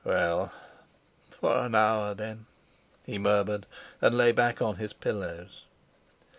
"Well, for an hour, then," he murmured, and lay back on his pillows.